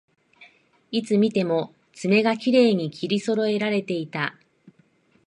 いつ見ても爪がきれいに切りそろえられていた